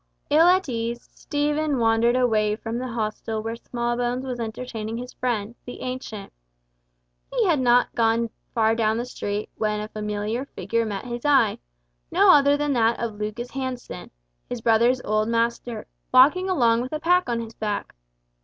Ill at ease, Stephen wandered away from the hostel where Smallbones was entertaining his friend, the Ancient. He had not gone far down the street when a familiar figure met his eye, no other than that of Lucas Hansen, his brother's old master, walking along with a pack on his back.